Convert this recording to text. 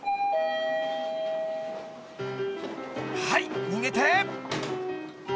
［はい逃げて］